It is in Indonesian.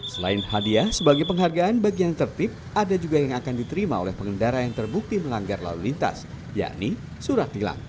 selain hadiah sebagai penghargaan bagi yang tertib ada juga yang akan diterima oleh pengendara yang terbukti melanggar lalu lintas yakni surat tilang